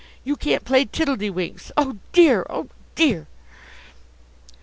You can't play tiddle de winks. Oh, dear; oh, dear!"